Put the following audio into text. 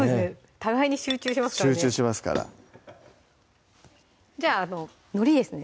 互いに集中しますから集中しますからじゃあのりですね